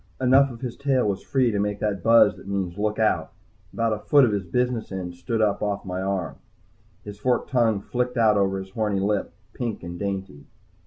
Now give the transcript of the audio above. Enough of his tail was free to make that buzz that means "Look out!" About a foot of his business end stood up off my arm. His forked tongue flicked out over his horny lip, pink and dainty.